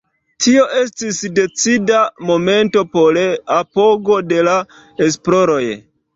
Tio estis decida momento por apogo de la esploroj.